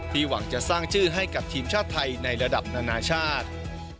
หวังจะสร้างชื่อให้กับทีมชาติไทยในระดับนานาชาติ